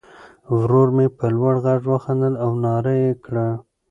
ورور مې په لوړ غږ وخندل او ناره یې کړه.